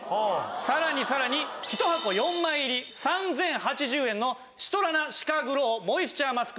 さらにさらに１箱４枚入り３０８０円のシトラナシカグロウモイスチャーマスクを２箱。